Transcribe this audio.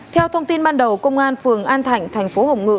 theo thông tin ban đầu công an phường an thạnh thành phố hồng ngự